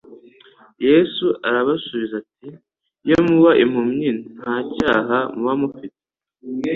Yesu arabasubiza ati: "Iyo muba impumyi nta cyaha muba mufite."